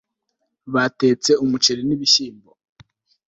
batetse umuceri nibishyimbo